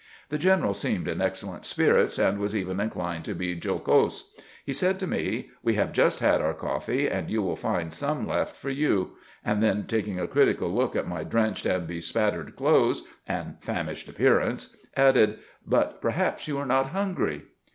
The general seemed in excellent spirits, and was even inclined to be jocose. He said to me :" We have just had our coffee, and you will find some left for you "; and then, taking a critical look at my drenched and bespattered clothes and famished appearance, added, "But perhaps you are not hungry."